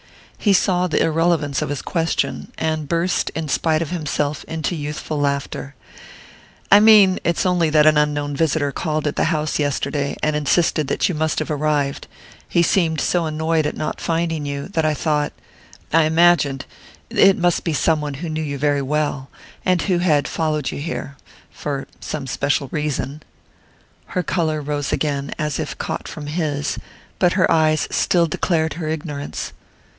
He saw the irrelevance of his question, and burst, in spite of himself, into youthful laughter. "I mean It's only that an unknown visitor called at the house yesterday, and insisted that you must have arrived. He seemed so annoyed at not finding you, that I thought...I imagined...it must be some one who knew you very well...and who had followed you here...for some special reason...." Her colour rose again, as if caught from his; but her eyes still declared her ignorance.